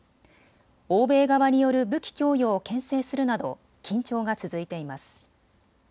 欧米側による武器供与をけん制するなど緊張が続いています。